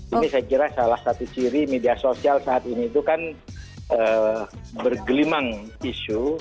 ini saya kira salah satu ciri media sosial saat ini itu kan bergelimang isu